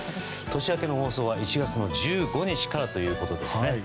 年明けの放送は１月１５日からということですね。